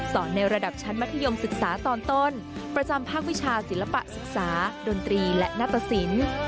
ในระดับชั้นมัธยมศึกษาตอนต้นประจำภาควิชาศิลปะศึกษาดนตรีและนัตตสิน